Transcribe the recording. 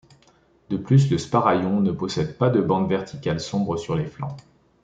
De plus, le sparaillon ne possède pas de bandes verticales sombres sur les flancs.